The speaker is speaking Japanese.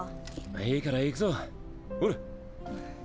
いいから行くぞほら。